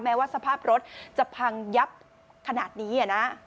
ว่าสภาพรถจะพังยับขนาดนี้นะ